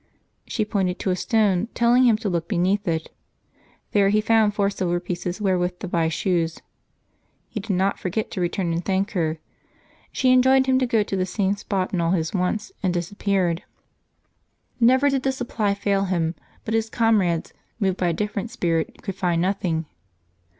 She pointed to a stone, telling him to look beneath it; there he found four silver pieces wherewith to buy shoes. He did not forget to return and thank her. She enjoined him to go to the same spot in all his wants, April 8] LIVES OF THE SAINTS 139 and disappeared. Never did the supply fail him; but his comrades, moved by a different spirit, could find nothing.